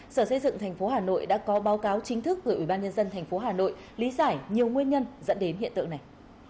sở xây dựng thành phố hà nội đã có báo cáo chính thức gửi ubnd tp hà nội lý giải nhiều nguyên nhân dẫn đến hiện tượng này